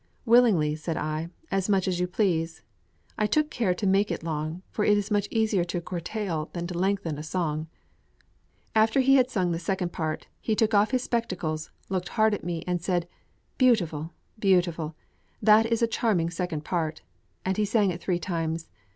"Willingly," said I; "as much as you please. I took care to make it long, for it is much easier to curtail than to lengthen a song." After he had sung the second part, he took off his spectacles, looked hard at me, and said, "Beautiful, beautiful! That is a charming second part," and he sang it three times.